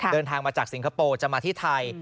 เดินทางมาจากสิงคโปร์จะมาที่ไทย